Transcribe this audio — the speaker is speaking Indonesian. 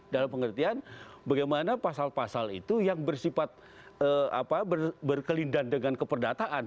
dalam pengertian bagaimana pasal pasal itu yang bersifat berkelindahan dengan keperdataan